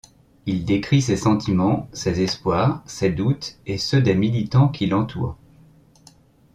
Il décrit ses sentiments, ses espoirs, ses doutes et ceux des militants qui l’entourent.